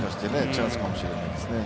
チャンスかもしれないですね。